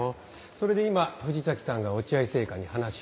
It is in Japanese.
それで今藤崎さんが落合製菓に話をしに。